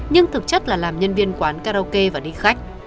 hằng làm nhân viên quán karaoke và đi khách